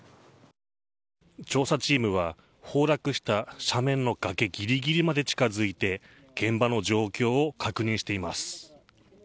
調査チームは崩落した斜面の崖ギリギリまで近づいて現場の状況を確認しています。